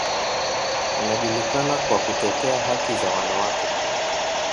Anajulikana kwa kutetea haki za wanawake.